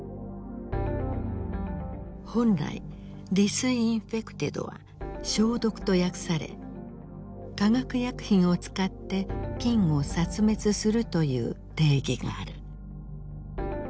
本来「ｄｉｓｉｎｆｅｃｔｅｄ」は「消毒」と訳され化学薬品を使って菌を殺滅するという定義がある。